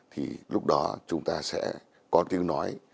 thì lúc đó chúng ta sẽ có tiếng nói